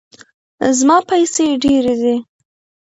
زما پیسې ډیرې دي